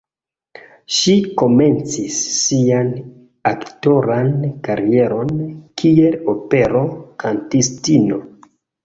Ŝi komencis sian aktoran karieron, kiel opero-kantistino.